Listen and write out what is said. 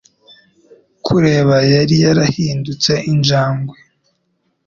kureba yari yarahindutse injangwe